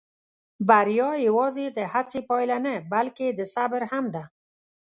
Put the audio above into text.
بریا یواځې د هڅې پایله نه، بلکې د صبر هم ده.